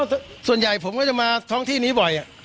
ส่วนใหญ่ผมก็จะมาท้องที่นี้บ่อย